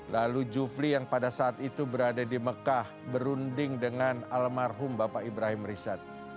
lalu jufli yang pada saat itu berada di mekah berunding dengan almarhum bapak ibrahim rizad